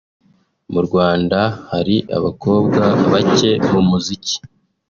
“Mu Rwanda hari abakobwa bake mu muziki